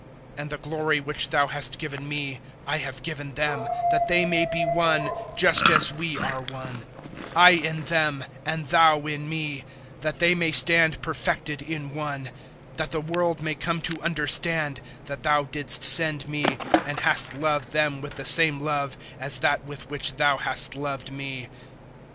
017:022 And the glory which Thou hast given me I have given them, that they may be one, just as we are one: 017:023 I in them and Thou in me; that they may stand perfected in one; that the world may come to understand that Thou didst send me and hast loved them with the same love as that with which Thou hast loved me.